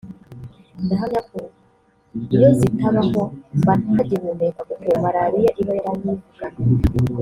ndahamya ko iyo zitabaho mba nta gihumeka kuko maraliya iba yaranyivuganye